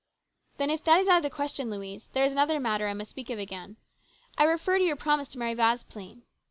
" Then if that is out of the question, Louise, there is another matter I must speak of again. I refer to your promise to marry Vasplaine.